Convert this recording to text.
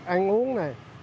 ăn uống này